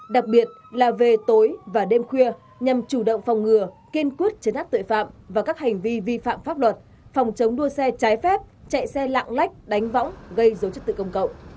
đặc biệt là về tối và đêm khuya nhằm chủ động phòng ngừa kiên quyết chấn áp tội phạm và các hành vi vi phạm pháp luật phòng chống đua xe trái phép chạy xe lạng lách đánh võng gây dấu chức tự công cộng